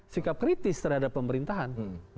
sikap kritis terhadap pemerintahan